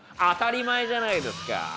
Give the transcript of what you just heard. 当たり前じゃないですか。